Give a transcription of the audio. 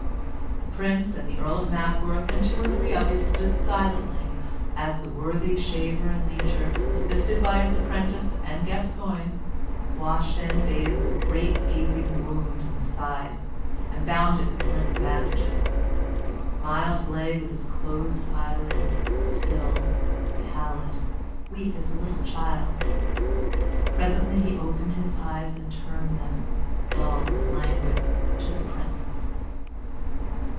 The Prince, the Earl of Mackworth, and two or three others stood silently watching as the worthy shaver and leecher, assisted by his apprentice and Gascoyne, washed and bathed the great gaping wound in the side, and bound it with linen bandages. Myles lay with closed eyelids, still, pallid, weak as a little child. Presently he opened his eyes and turned them, dull and languid, to the Prince.